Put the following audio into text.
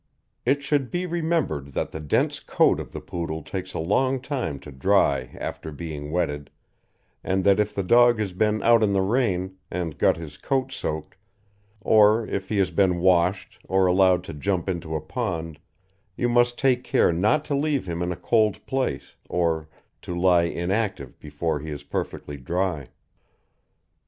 It should be remembered that the dense coat of the Poodle takes a long time to dry after being wetted, and that if the dog has been out in the rain, and got his coat soaked, or if he has been washed or allowed to jump into a pond, you must take care not to leave him in a cold place or to lie inactive before he is perfectly dry.